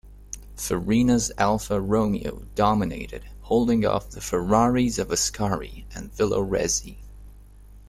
Farina's Alfa Romeo dominated, holding off the Ferraris of Ascari and Villoresi.